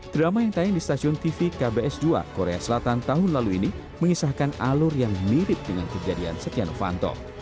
drama yang tayang di stasiun tv kbs dua korea selatan tahun lalu ini mengisahkan alur yang mirip dengan kejadian setia novanto